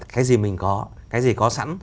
cái gì mình có cái gì có sẵn